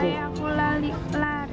untuk mendapatkan buku